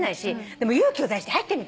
でも勇気を出して入ってみたの。